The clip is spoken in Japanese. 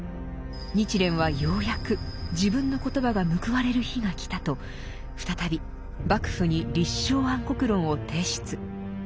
日蓮はようやく自分の言葉が報われる日が来たと再び幕府に「立正安国論」を提出。